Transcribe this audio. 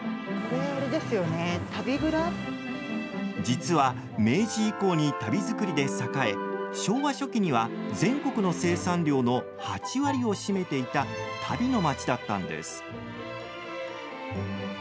実は明治以降に足袋作りで栄え昭和初期には全国の生産量の８割を占めていた足袋の町だったんです。